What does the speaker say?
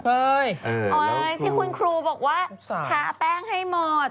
ที่คุณครูบอกว่าทาแป้งให้หมด